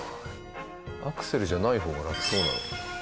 アクセルじゃない方がラクそうなのに。